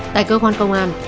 tại cơ quan công an